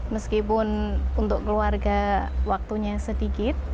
meskipun untuk keluarga waktunya sedikit